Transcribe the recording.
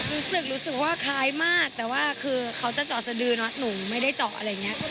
รู้สึกว่าคล้ายมากแต่ว่าคือเขาจะเจาะสดือเนาะหนูไม่ได้เจาะอะไรอย่างนี้